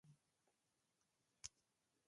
دلته هېڅ راز خلاق تخریب نه و